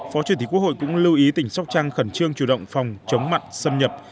phó chủ tịch quốc hội cũng lưu ý tỉnh sóc trăng khẩn trương chủ động phòng chống mặn xâm nhập